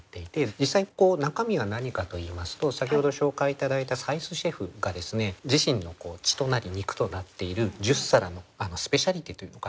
実際中身は何かといいますと先ほど紹介頂いた斉須シェフが自身の血となり肉となっている十皿のスペシャリテと言うのかな？